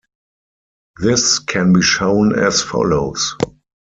This can be shown as follows.